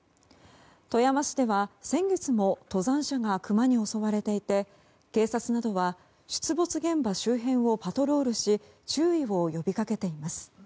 富山市では先月も登山者がクマに襲われていて警察などは出没現場周辺をパトロールし注意を呼びかけています。